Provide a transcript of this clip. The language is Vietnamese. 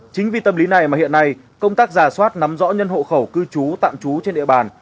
chính vì tâm lý này mà hiện nay công tác giả soát nắm rõ nhân hộ khẩu cư trú tạm trú trên địa bàn